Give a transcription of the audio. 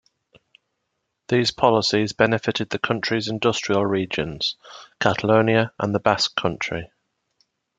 These policies benefitted the country's industrial regions, Catalonia and the Basque Country.